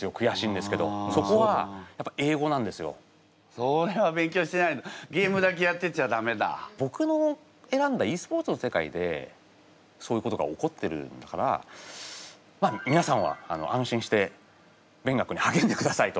それは勉強しないとぼくの選んだｅスポーツの世界でそういうことが起こってるんだからみなさんは安心して勉学にはげんでくださいと。